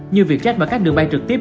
như việc chết vào các đường bay trực tiếp